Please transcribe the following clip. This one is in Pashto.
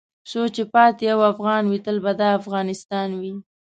څو چې پاتې یو افغان وې تل به دا افغانستان وې .